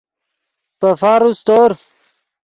پے فارو سیتور